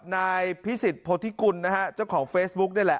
นายพิสิทธิโพธิกุลนะฮะเจ้าของเฟซบุ๊กนี่แหละ